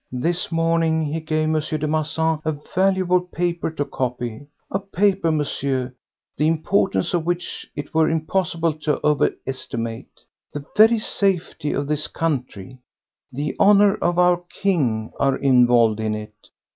This morning he gave M. de Marsan a valuable paper to copy—a paper, Monsieur, the importance of which it were impossible to overestimate. The very safety of this country, the honour of our King, are involved in it.